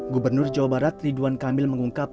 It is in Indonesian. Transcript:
gubernur jawa barat ridwan kamil mengungkap